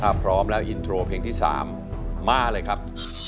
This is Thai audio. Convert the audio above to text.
ถ้าพร้อมแล้วอินโทรเพลงที่๓มาเลยครับ